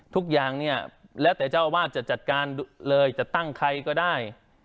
ทุกอย่างเนี่ยแล้วแต่เจ้าอาวาสจะจัดการเลยจะตั้งใครก็ได้